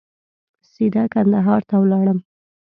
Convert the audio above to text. سیده کندهار ته ولاړم.